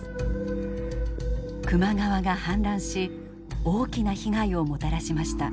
球磨川が氾濫し大きな被害をもたらしました。